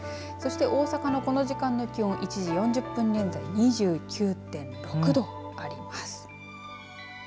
大阪のこの時間の気温１時４０分現在２９．６度あります。